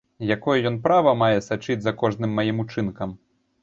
Якое ён права мае сачыць за кожным маім учынкам?